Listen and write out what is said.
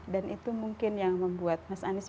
dan itu mungkin yang membuat mas anis